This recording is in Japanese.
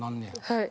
はい。